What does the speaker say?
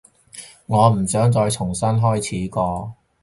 我唔想再重新開始過